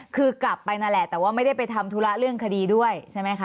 คือกลับไปนั่นแหละแต่ว่าไม่ได้ไปทำธุระเรื่องคดีด้วยใช่ไหมคะ